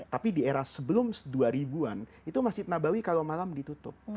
tapi di era sebelum dua ribu an itu masjid nabawi kalau malam ditutup